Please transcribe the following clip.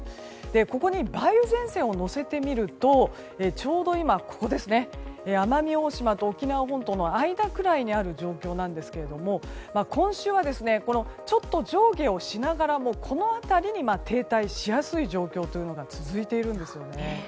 ここに梅雨前線をのせてみるとちょうど今、奄美大島と沖縄本島の間ぐらいにある状況なんですが今週は、ちょっと上下しながらもこの辺りに停滞しやすい状況というのが続いているんですね。